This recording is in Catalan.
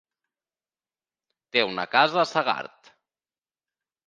Té una casa a Segart.